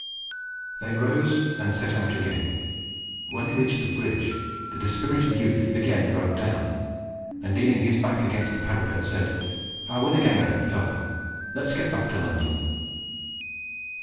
They rose, and set out again, but when they reached the bridge, the dispirited youth again broke down; and, leaning his back against the parapet, said, "I winna gang a bit further; let's get back to London."